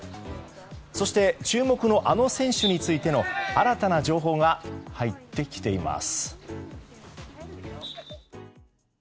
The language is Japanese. そして、注目のあの選手についての新たな情報が入ってきています。